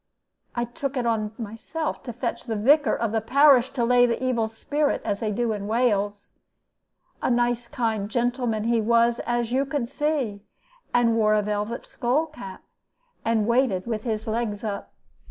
I took it on myself to fetch the Vicar of the parish to lay the evil spirit, as they do in Wales. A nice kind gentleman he was as you could see, and wore a velvet skull cap, and waited with his legs up.